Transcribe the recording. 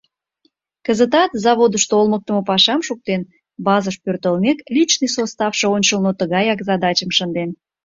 Кызытат, заводышто олмыктымо пашам шуктен, базыш пӧртылмек, личный составше ончылно тыгаяк задачым шынден.